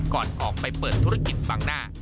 ก่อนออกไปเปิดธุรกิจบังหน้า